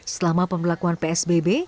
selama pembelakuan psbb